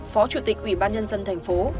phó chủ tịch ủy ban nhân dân thành phố